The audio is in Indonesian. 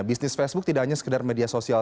bisnis facebook tidak hanya sekedar media sosial